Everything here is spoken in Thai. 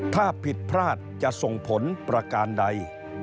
ถ้าผิดพลาดจะส่งผลประการใด